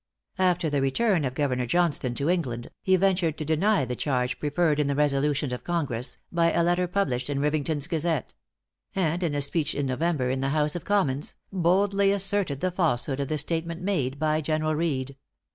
After the return of Governor Johnstone to England, he ventured to deny the charge preferred in the resolutions of Congress, by a letter published in Rivington's Gazette; and in a speech in November in the House of Commons, boldly asserted the falsehood of the statement made by General Reed.